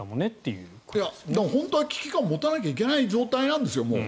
いや、本当は危機感持たなきゃいけない状態なんですよ、もう。